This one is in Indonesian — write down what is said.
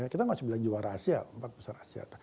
kita masih bilang juara asia empat besar asia